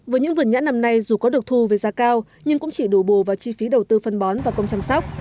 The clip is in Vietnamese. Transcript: với những vườn nhãn năm nay dù có được thu về giá cao nhưng cũng chỉ đủ bù vào chi phí đầu tư phân bón và công chăm sóc